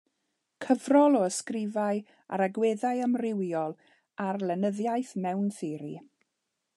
Cyfrol o ysgrifau ar agweddau amrywiol ar lenyddiaeth mewn theori.